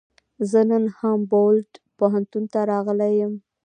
زه نن هامبولټ پوهنتون ته راغلی یم.